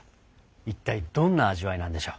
一体どんな味わいなんでしょう。